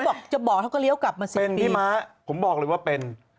บอกจะบอกเขาก็เลี้ยวกลับมาสิเป็นพี่ม้าผมบอกเลยว่าเป็น